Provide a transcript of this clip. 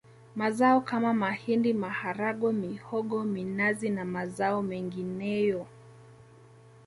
Mazao kama mahindi maharage mihogo minazi na mazao mengineyoâŠ